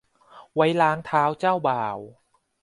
ไว้ล้างเท้าเจ้าบ่าว